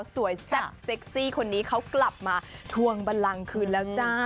แซ่บเซ็กซี่คนนี้เขากลับมาทวงบันลังคืนแล้วจ้า